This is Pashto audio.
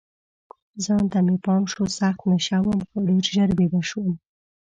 ځان ته مې پام شو، سخت نشه وم، خو ډېر ژر بیده شوم.